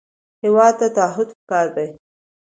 هېواد ته تعهد پکار دی